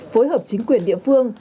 phối hợp chính quyền địa phương